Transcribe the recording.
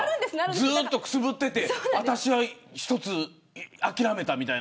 ずっとくずぶってて私は一つ諦めたみたいな。